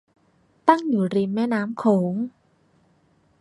ตั้งอยู่ริมแม่น้ำโขง